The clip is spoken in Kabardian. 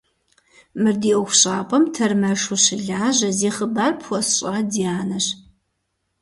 Мыр ди ӏуэхущӏапӏэм тэрмэшу щылажьэ, зи хъыбар пхуэсщӏа Дианэщ.